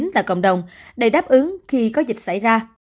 tại cộng đồng để đáp ứng khi có dịch xảy ra